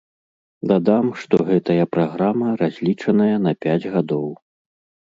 Дадам, што гэтая праграма разлічаная на пяць гадоў.